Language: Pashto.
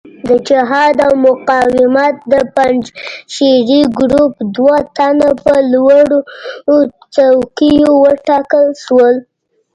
د جهاد او مقاومت د پنجشیري ګروپ دوه تنه په لوړو څوکیو وټاکل شول.